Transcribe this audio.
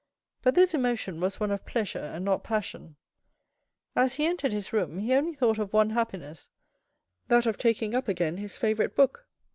But this emotion was one of pleasure and not passion. As he entered his room, he only thought of one happiness, that of taking up again his favourite book.